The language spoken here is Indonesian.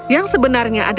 yang sebenarnya itu dia